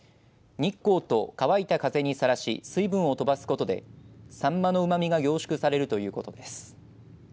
日光と乾いた風にさらし水分を飛ばすことでさんまのうまみが凝縮されるということです。